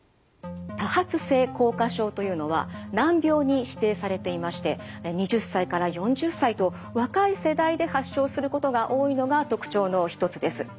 多発性硬化症というのは難病に指定されていまして２０歳から４０歳と若い世代で発症することが多いのが特徴の一つです。